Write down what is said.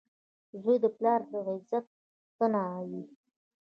• زوی د پلار د عزت ستن وي.